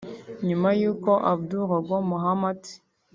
nyuma y’uko Aboud Rogo Mohammed